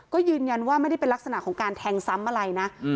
ก็ยืนยันว่าไม่ได้เป็นลักษณะของการแทงซ้ำอะไรนะ